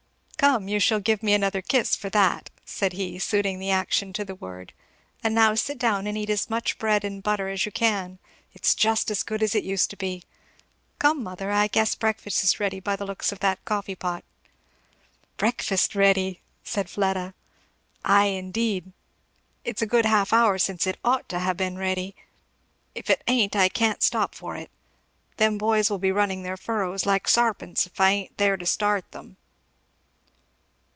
"Come, you shall give me another kiss for that," said he, suiting the action to the word; "and now sit down and eat as much bread and butter as you can. It's just as good as it used to be. Come mother! I guess breakfast is ready by the looks of that coffee pot." "Breakfast ready!" said Fleda. "Ay indeed; it's a good half hour since it ought to ha' been ready. If it ain't I can't stop for it. Them boys will be running their furrows like sarpents 'f I ain't there to start them."